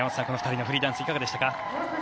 この２人のフリーダンスいかがでしたか？